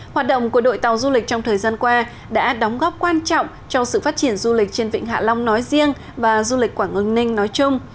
hoạt động của đội tàu du lịch trong thời gian qua đã đóng góp quan trọng cho sự phát triển du lịch trên vịnh hạ long nói riêng và du lịch quảng ngân ninh nói chung